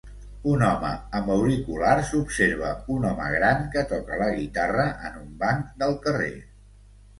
Un home amb auriculars observa un home gran que toca la guitarra en un banc del carrer.